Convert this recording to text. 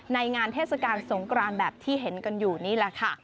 ในงานเทศกาลสงกรานแบบที่เห็นกันอยู่นี่แหละค่ะ